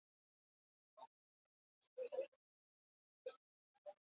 Kolonoek, ordea, inoiz ez zituzten xedapen haiek aintzat hartu.